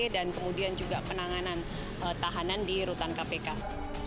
dan kemudian juga penanganan tahanan yang telah dilakukan